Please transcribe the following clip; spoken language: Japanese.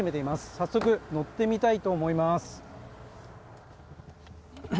早速、乗ってみたいと思います。